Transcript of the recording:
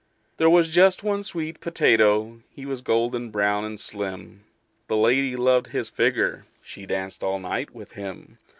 "There was just one sweet potato. He was golden brown and slim: The lady loved his figure. She danced all night with him.